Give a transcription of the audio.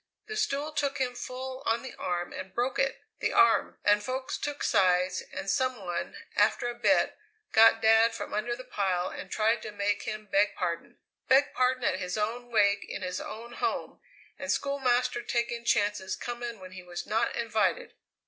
The stool took him full on the arm and broke it the arm and folks took sides, and some one, after a bit, got Dad from under the pile and tried to make him beg pardon! Beg pardon at his own wake in his own home, and Schoolmaster taking chances coming when he was not invited!